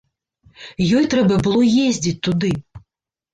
Ёй трэба было ездзіць туды.